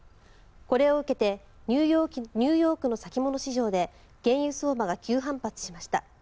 これを受けてニューヨークの先物市場で原油相場が急反発しました。